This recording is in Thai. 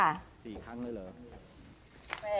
มันไม่สี่ครั้งเลยเค้า